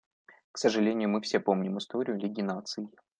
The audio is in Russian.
К сожалению, все мы помним историю Лиги Наций.